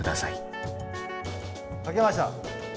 描けました。